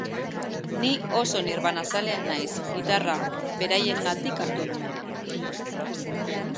Ni oso nirvanazalea naiz, gitarra beraiengatik hartu nuen.